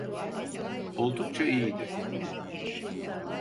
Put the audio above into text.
Oldukça iyiydi.